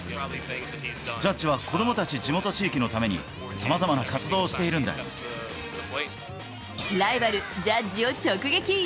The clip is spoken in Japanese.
ジャッジは子どもたち、地元地域のために、さまざまな活動をしてライバル、ジャッジを直撃。